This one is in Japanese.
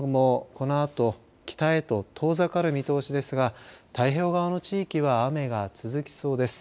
このあと北へと遠ざかる見通しですが太平洋側の地域は雨が続きそうです。